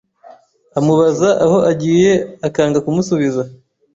amubaza aho agiye akanga kumusubiza.